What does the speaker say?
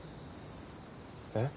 えっ？